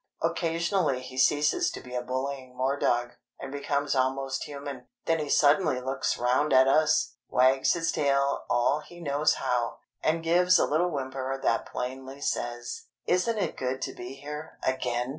Occasionally he ceases to be a bullying war dog, and becomes almost human; then he suddenly looks round at us, wags his tail all he knows how, and gives a little whimper that plainly says, "Isn't it good to be here again!"